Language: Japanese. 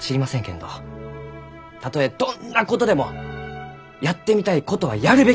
けんどたとえどんなことでもやってみたいことはやるべきです！